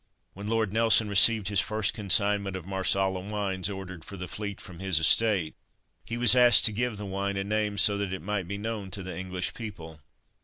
When Lord Nelson received his first consignment of Marsala wines ordered for the fleet from his estate, he was asked to give the wine a name so that it might be known to the English people.